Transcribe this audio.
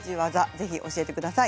ぜひ教えてください。